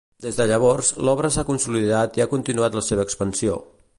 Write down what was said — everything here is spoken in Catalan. Des de llavors, l'obra s'ha consolidat i ha continuat la seva expansió.